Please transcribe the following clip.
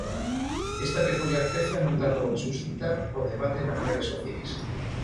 Esta peculiar peza non tardou en suscitar o debate nas redes sociais.